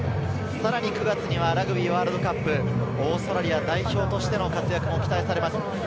９月にはラグビーワールドカップ、オーストラリア代表としての活躍も期待されます。